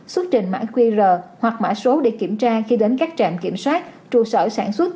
xuất trình mã qr hoặc mã số để kiểm tra khi đến các trạm kiểm soát trụ sở sản xuất